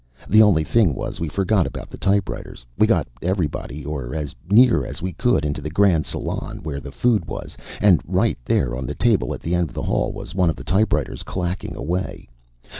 The only thing was, we forgot about the typewriters. We got everybody, or as near as we could, into the Grand Salon where the food was, and right there on a table at the end of the hall was one of the typewriters clacking away.